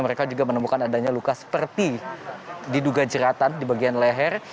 mereka juga menemukan adanya luka seperti diduga jeratan di bagian leher